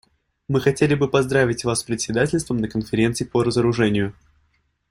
Мы хотели бы поздравить вас с председательством на Конференции по разоружению.